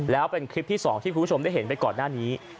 แล้วเป็นคลิปที่๒ที่คุณผู้ชมได้เห็นไปก่อนหน้านี้